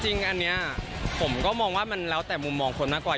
จริงอันนี้ผมก็มองว่ามันแล้วแต่มุมมองคนมากกว่า